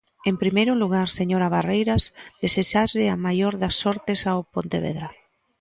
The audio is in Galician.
En primeiro lugar, señora Barreiras, desexarlle a maior das sortes ao Pontevedra.